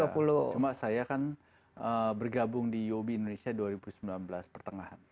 cuma saya kan bergabung di yobi indonesia dua ribu sembilan belas pertengahan